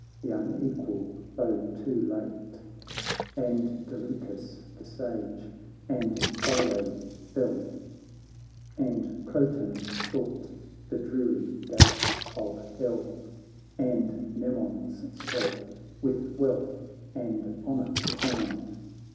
th' unequal foe too late ; And Delucus the sage, and Philo fell, And Crotan sought the dreary gates of hell, And Mnemon's self with wealth and honour crowned.